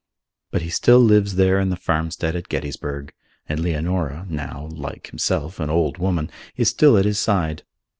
But he still lives there in the farmstead at Gettysburg, and Leonora, now, like himself, an old woman, is still at his side.